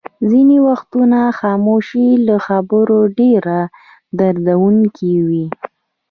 ځینې وختونه خاموشي له خبرو ډېره دردوونکې وي.